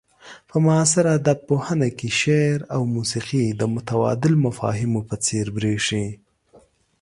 په معاصر ادب پوهنه کې شعر او موسيقي د متداول مفاهيمو په څير بريښي.